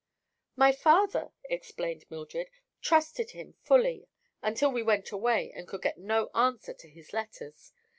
"My father," explained Mildred, "trusted him fully until we went away and could get no answer to his letters.